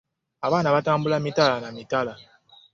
Abaana batambula mitala na mitala.